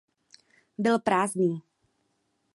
Byl prázdný.